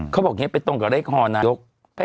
เขาบอกอย่างนี้ไปตรงกับเลขคอนายก